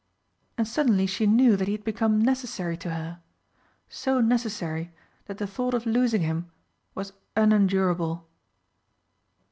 And suddenly she knew that he had become necessary to her so necessary that the thought of losing him was unendurable.